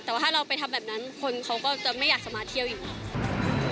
แต่ว่าถ้าเราไปทำแบบนั้นคนเขาก็จะไม่อยากจะมาเที่ยวอีกหรอก